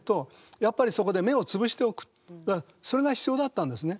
やっぱりそこで芽を潰しておくそれが必要だったんですね。